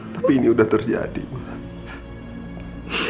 tapi ini sudah terjadi malah